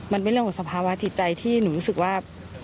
มันเป็นเรื่องของสภาวะจิตใจที่หนูรู้สึกว่า